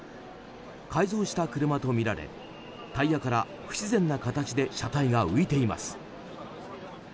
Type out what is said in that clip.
改造した車とみられタイヤから不自然な形で車体が浮いています。